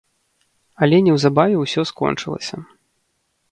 Але неўзабаве ўсё скончылася.